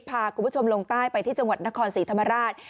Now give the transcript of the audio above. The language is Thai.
พาคุณผู้ชมลงใต้ไปที่จังหวัดนครศรีธรรมราช